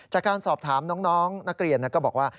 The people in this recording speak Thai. จากการสอบถามน้องนักเรียนก็บอกว่า